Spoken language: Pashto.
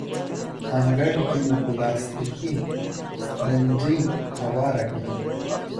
انګړ کې مو پلاستیکي سترنجۍ هواره کړه.